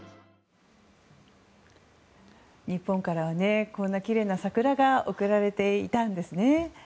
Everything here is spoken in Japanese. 日本からはこんなきれいな桜が贈られていたんですね。